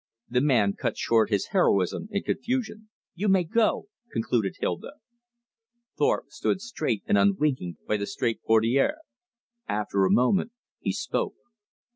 The man cut short his heroism in confusion. "You may go," concluded Hilda. Thorpe stood straight and unwinking by the straight portiere. After a moment he spoke.